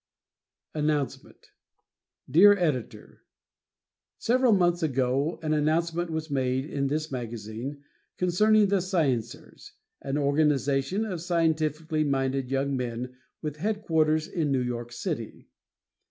Announcement Dear Editor: Several months ago an announcement was made in this magazine concerning The Scienceers, an organization of scientifically minded young men, with headquarters in New York City.